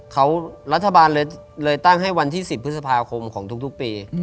เขารัฐบาลเลยตั้งให้วันที่๑๐พฤษภาคมของทุกปี